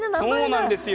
そうなんですよ。